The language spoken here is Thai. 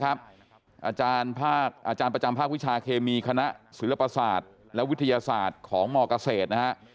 อาจารย์ประจำภาควิชาเคมีคณะศิลปศาสตร์และวิทยาศาสตร์ของมเกษตรนะฮะ